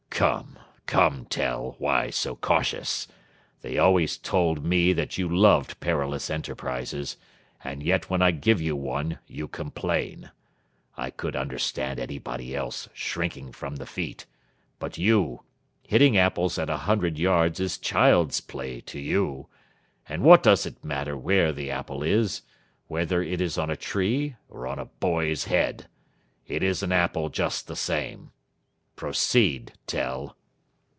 Come, come, Tell, why so cautious? They always told me that you loved perilous enterprises, and yet when I give you one you complain. I could understand anybody else shrinking from the feat. But you! Hitting apples at a hundred yards is child's play to you. And what does it matter where the apple is whether it is on a tree or on a boy's head? It is an apple just the same. Proceed, Tell."